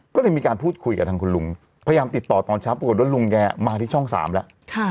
ก็เลยมีการพูดคุยกับทางคุณลุงพยายามติดต่อตอนเช้าปรากฏว่าลุงแกมาที่ช่อง๓แล้ว